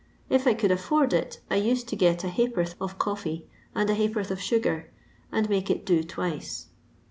If I could afford it, I used to get a ha'porth of co£fee and a ha'porth of sugar, and make it do twice.